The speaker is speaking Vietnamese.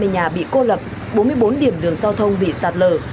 tám trăm ba mươi nhà bị cô lập bốn mươi bốn điểm đường giao thông bị sạt lở